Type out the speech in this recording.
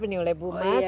ini oleh bu mas